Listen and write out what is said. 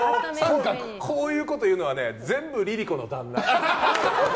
こういうことを言うのは全部、ＬｉＬｉＣｏの旦那。